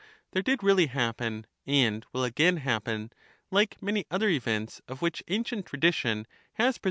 There did really happen, and will again happen, like many other events of which ancient tradition has preserved * Cp.